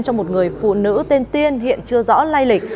cho một người phụ nữ tên tiên hiện chưa rõ lai lịch